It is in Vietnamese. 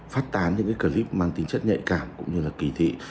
phát tán những clip mang tính chất nhạy cảm cũng như kỳ thị